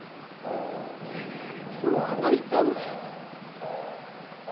もうあの人。